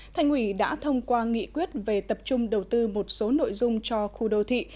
thành ủy đã thông qua nghị quyết về tập trung đầu tư một số nội dung cho khu đô thị